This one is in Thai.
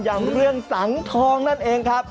อย่างเรื่องสังทองนั่นเองครับ